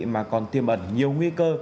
mà còn tiêm ẩn nhiều nguy cơ